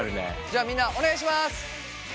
じゃあみんなお願いします！